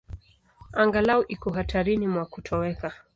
Angalau iko hatarini mwa kutoweka.